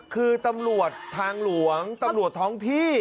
คือตำรวจทางหลวงตำรวจท้องที่